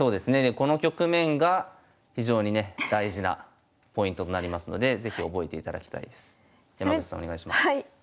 この局面が非常にね大事なポイントになりますので是非覚えていただきたいです。